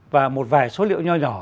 và một vài số liệu nhỏ nhỏ